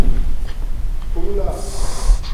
پُھولہ